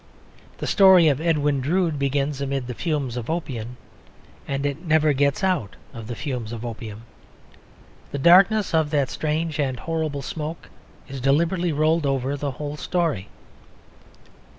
The story of Edwin Drood begins amid the fumes of opium, and it never gets out of the fumes of opium. The darkness of that strange and horrible smoke is deliberately rolled over the whole story.